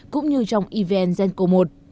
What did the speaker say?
cũng như trong evn genco một